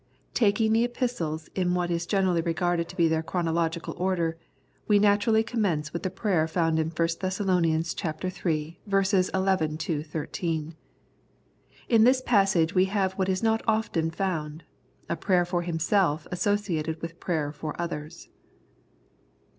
Taking the Epistles in what is generally regarded to be their chronological order, we naturally commence with the prayer found in i Thess. iii. 11 13. In this passage we have what is not often found, a prayer for himself associated with prayer for others.